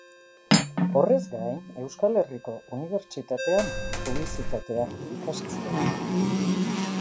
Horrez gain Euskal Herriko Unibertsitatean publizitatea ikasi zuen.